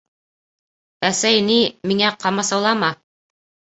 — Әсәй, ни, миңә ҡамасаулама.